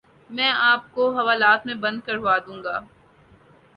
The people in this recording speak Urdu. میں آپ کو حوالات میں بند کروا دوں گا